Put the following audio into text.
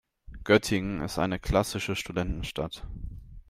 Göttingen ist eine klassische Studentenstadt.